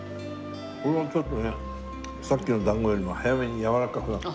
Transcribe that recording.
ほんのちょっとねさっきのだんごよりも早めにやわらかくなって。